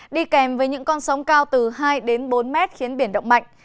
đi kèm với những con sóng cao từ hai đến bốn mét khiến biển động mạnh